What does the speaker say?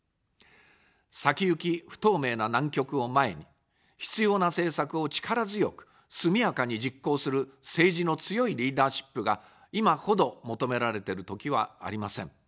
先行き不透明な難局を前に、必要な政策を力強く、速やかに実行する政治の強いリーダーシップが、今ほど求められてる時はありません。